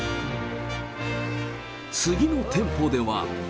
次の店舗では。